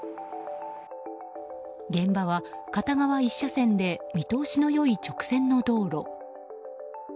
現場は片側１車線で見通しの良い直線道路。